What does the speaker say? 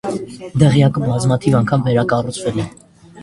Դղյակը բազմաթիվ անգամ վերակառուցվել է։